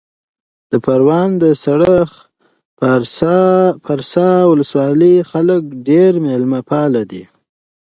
د پروان د سرخ پارسا ولسوالۍ خلک ډېر مېلمه پاله دي.